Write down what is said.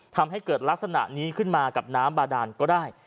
ทำให้เกิดลักษณะนี้ขึ้นมากับน้ำบาดานก็ได้